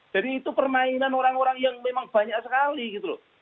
jadi itu permainan orang orang yang memang banyak sekali gitu loh